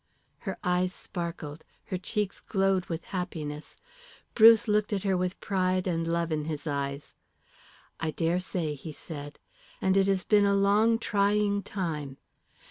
Her eyes sparkled, her cheeks glowed with happiness. Bruce looked at her with pride and love in his eyes. "I dare say," he said. "And it has been a long, trying time.